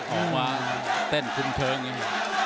เพราะมันเต้นกรมเครอเหมือนกัน